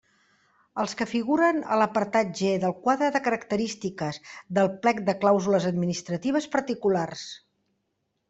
Els que figuren a l'apartat G del quadre de característiques del plec de clàusules administratives particulars.